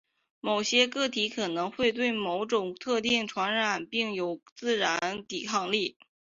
某些个体可能会对某种特定传染病有自然抵抗力。